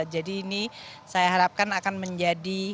jadi ini saya harapkan akan menjadi